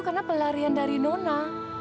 karena pelarian dari nona